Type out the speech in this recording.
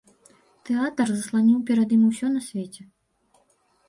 Тэатр засланіў перад ім усё на свеце.